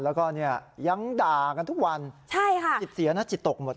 แล้วก็เนี่ยยังด่ากันทุกวันใช่ค่ะจิตเสียนะจิตตกหมด